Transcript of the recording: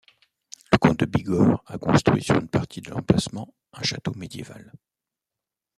Le comte de Bigorre a construit sur une partie de l'emplacement un château médiéval.